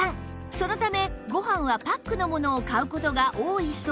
そのためご飯はパックのものを買う事が多いそう